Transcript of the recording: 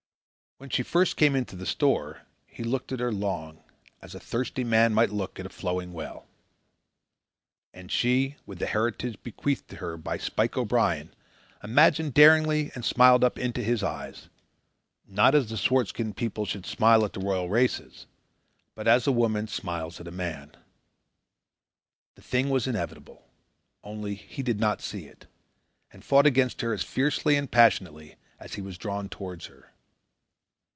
When she first came into the store, he looked at her long, as a thirsty man may look at a flowing well. And she, with the heritage bequeathed her by Spike O'Brien, imagined daringly and smiled up into his eyes, not as the swart skinned peoples should smile at the royal races, but as a woman smiles at a man. The thing was inevitable; only, he did not see it, and fought against her as fiercely and passionately as he was drawn towards her.